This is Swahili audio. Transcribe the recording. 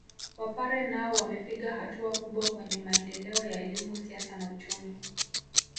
Wapare nao wamepiga hatua kubwa kwenye maendeleo ya elimu siasa na uchumi